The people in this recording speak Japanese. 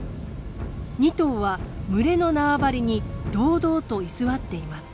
２頭は群れの縄張りに堂々と居座っています。